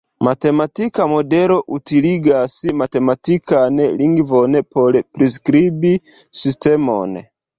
Matematika modelo utiligas matematikan lingvon por priskribi sistemon.